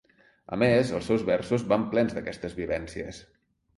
A més, els seus versos van plens d’aquestes vivències.